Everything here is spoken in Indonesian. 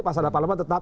pas ada parlamen tetap